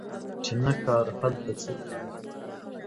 چی نه کار، هلته څه کار